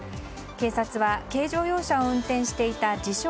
警察は軽乗用車を運転していた自称